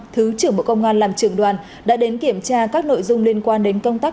thứ trưởng bộ công an làm trường đoàn đã đến kiểm tra các nội dung liên quan đến công tác